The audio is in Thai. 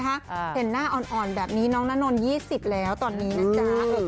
เห็นหน้าอ่อนแบบนี้น้องนานนท๒๐แล้วตอนนี้นะจ๊ะ